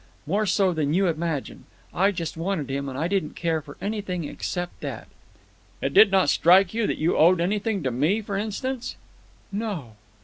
More so than you imagine. I just wanted him, and I didn't care for anything except that." "It did not strike you that you owed anything to me, for instance?" "No."